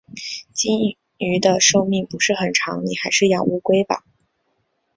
金鱼的寿命不是很长，你还是养乌龟吧。